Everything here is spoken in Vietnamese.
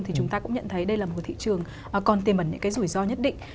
thì chúng ta cũng nhận thấy đây là một thị trường còn tiềm ẩn những cái rủi ro nhất định